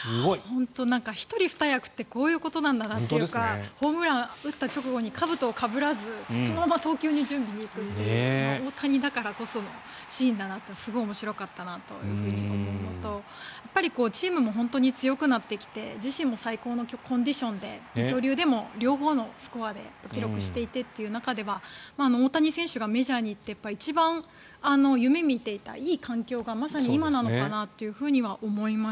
本当に１人２役ってこういうことなんだなというかホームラン、打った直後にかぶとをかぶらずそのまま投球準備に行くっていう大谷だからこそのシーンだなってすごくおもしろかったなと思うのとやっぱりチームも強くなってきて自身も最高のコンディションで二刀流でも両方のスコアで記録していてという中では大谷選手がメジャーに行って一番夢見ていたいい環境がまさに今なのかなとは思います。